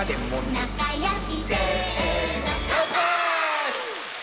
「なかよし」「せーのかんぱーい！！」